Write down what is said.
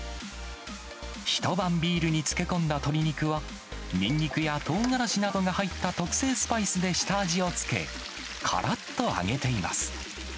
一晩ビールに漬け込んだ鶏肉は、ニンニクやトウガラシなどが入った特製スパイスで下味をつけ、からっと揚げています。